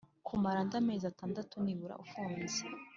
kumara andi mezi atandatu nibura ufunze